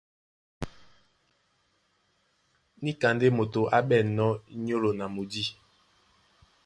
Níka ndé moto á ɓɛ̂nnɔ́ nyólo na mudî.